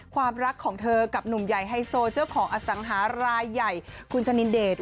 ความรักของเธอกับหนุ่มใหญ่ไฮโซเจ้าของอสังหารายใหญ่คุณชะนินเดช